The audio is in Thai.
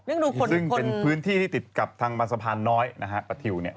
ซึ่งเป็นพื้นที่ที่ติดกับทางบรรษภานน้อยปะทิว